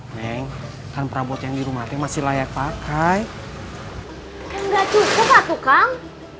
neng kan perabot yang di rumahnya masih layak pakai enggak cukup ah tukang